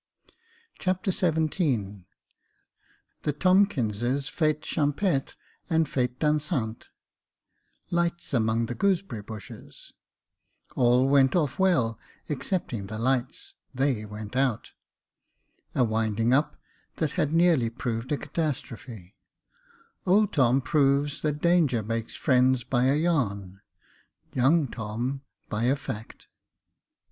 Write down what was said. Chapter XVII The Tomkinses' fete champetre and fete dansante — lights among the goose berry bushes — all went off well, excepting the lights, they went out — a winding up that had nearly proved a catastrophe — Old Tom proves that danger makes friends by a yarn, Young Tom by a fact.